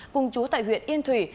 cùng chú tại huyện yên thủy